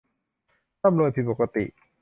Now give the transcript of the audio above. ร่ำรวยผิดปกติ